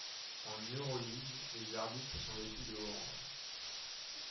En Euroleague, les arbitres sont vêtus de orange.